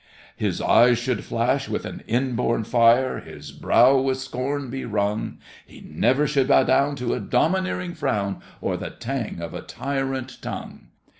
His eyes should flash with an inborn fire, His brow with scorn be wrung; He never should bow down to a domineering frown, Or the tang of a tyrant tongue.